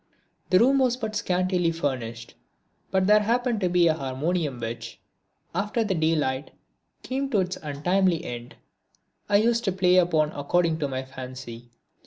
The room was but scantily furnished, but there happened to be a harmonium which, after the daylight came to its untimely end, I used to play upon according to my fancy.